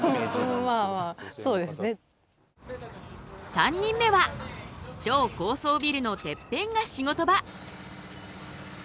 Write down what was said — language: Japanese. ３人目は超高層ビルのてっぺんが仕事場！